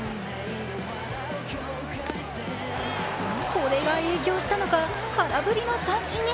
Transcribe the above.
これが影響したのか、空振りの三振に。